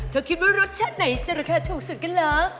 คิดว่ารสชาติไหนจะราคาถูกสุดกันเหรอ